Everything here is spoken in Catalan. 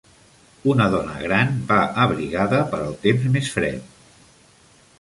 Una dona gran va abrigada per al temps més fred.